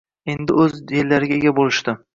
endi o‘z yerlariga ega bo‘lishdi.